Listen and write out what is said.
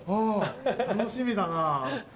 楽しみだな。